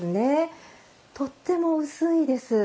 とっても薄いです。